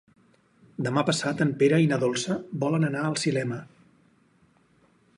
Demà passat en Pere i na Dolça volen anar al cinema.